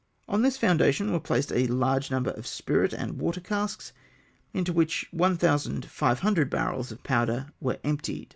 On this foundation were placed a large number of spirit and water casks, into which 1500 barrels of powder were emptied.